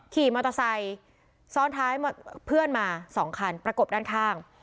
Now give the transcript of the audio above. ขี่มอเตอร์ไซค์ซ้อนท้ายเพื่อนมา๒คันประกบด้านข้าง